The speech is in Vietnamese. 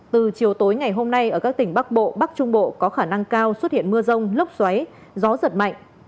từ chiều tối ngày hôm nay ở các tỉnh bắc bộ bắc trung bộ có khả năng cao xuất hiện mưa rông lốc xoáy gió giật mạnh